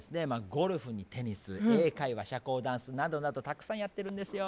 ゴルフにテニス英会話社交ダンスなどなどたくさんやってるんですよ。